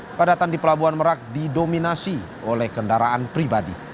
kepadatan di pelabuhan merak didominasi oleh kendaraan pribadi